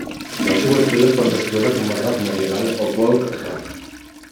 El seu estil es pot descriure com a rock medieval o folk rock.